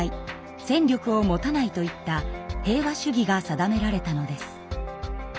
戦力を持たないといった平和主義が定められたのです。